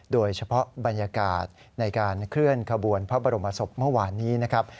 โดยเฉพาะบรรยากาศในการเคลื่อนขบวนพระบรมศพเมื่อวานนี้นะครับ